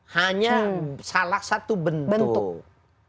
hanya salah satu bentuk